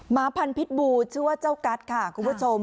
พันธุ์พิษบูชื่อว่าเจ้ากัสค่ะคุณผู้ชม